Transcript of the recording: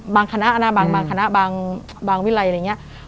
คณะนะบางคณะบางวิรัยอะไรอย่างนี้